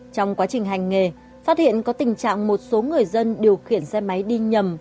trong quá trình hành nghề phát hiện có tình trạng một số người dân điều khiển xe máy đi nhầm